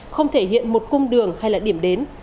không thể hiện một cung đường hay là điểm đến